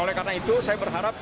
oleh karena itu saya berharap